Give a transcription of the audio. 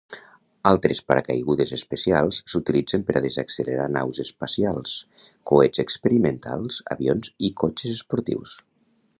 Altres paracaigudes especials s'utilitzen per a desaccelerar naus espacials, coets experimentals, avions i cotxes esportius.